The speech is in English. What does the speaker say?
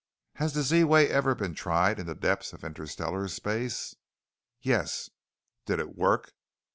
"Has the Z wave ever been tried in the depths of interstellar space?" "Yes." "Did it work?"